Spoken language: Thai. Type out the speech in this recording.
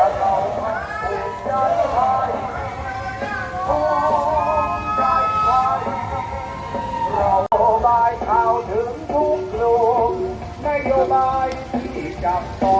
ทัศน์มันแน่นิดหนึ่งครับสวัสดีครับ